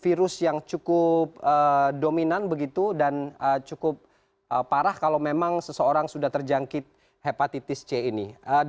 virus yang cukup dominan begitu dan cukup parah kalau memang seseorang sudah terjangkit hepatitis c ini